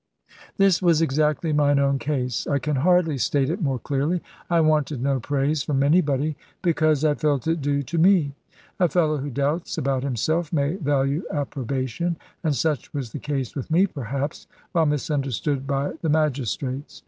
This was exactly mine own case. I can hardly state it more clearly. I wanted no praise from anybody; because I felt it due to me. A fellow who doubts about himself may value approbation; and such was the case with me, perhaps, while misunderstood by the magistrates.